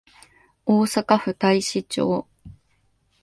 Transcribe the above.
大阪府太子町